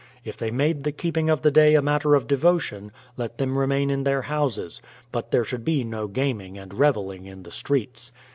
If they made the keeping of the day a matter of devotion, let them remain in their houses ; but there should be no gaming and revelling in the streets.